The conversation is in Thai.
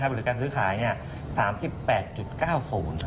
หรือการซื้อขาย๓๘๙ศูนย์